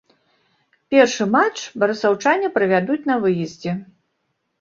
Першы матч барысаўчане правядуць на выездзе.